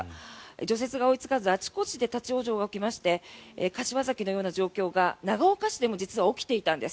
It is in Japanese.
除雪が追いつかずあちこちで立ち往生が起きまして柏崎のような状況が長岡市でも実は起きていたんです。